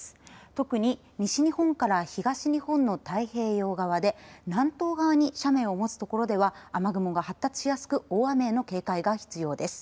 特に西日本から東日本の太平洋側で南東側に斜面を持つところでは雨雲が発達しやすく大雨への警戒が必要です。